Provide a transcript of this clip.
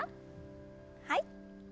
はい。